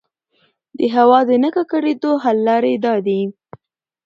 د هـوا د نـه ککـړتيا حـل لـارې دا دي: